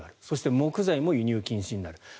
そして、木材も輸入禁止になる。